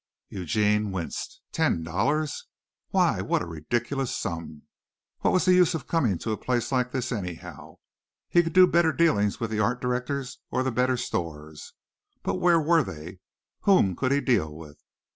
Eugene winced. Ten dollars! Why, what a ridiculous sum! What was the use of coming to a place like this anyhow? He could do better dealing with the art directors or the better stores. But where were they? Whom could he deal with?